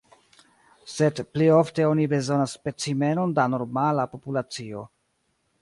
Sed pli ofte oni bezonas specimenon da normala populacio.